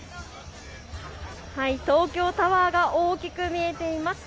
東京タワーが大きく見えています。